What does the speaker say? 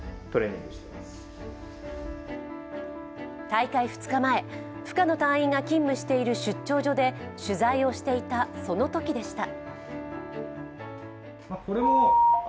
大会２日前、深野隊員が勤務している出張所で取材をしていたその時でした。